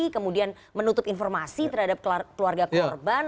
kemudian menutup informasi terhadap keluarga korban